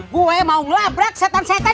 gue mau ngelabrak setan setan